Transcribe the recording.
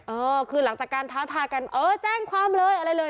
เออคือหลังจากการท้าทายกันเออแจ้งความเลยอะไรเลย